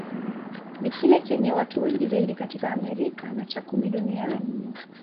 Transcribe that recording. Ni kile chenye watu wengi zaidi katika Amerika, na cha kumi duniani.